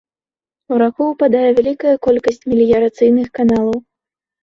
У раку ўпадае вялікая колькасць меліярацыйных каналаў.